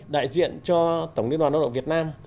đại diện cho tổng liên đoàn lao động việt nam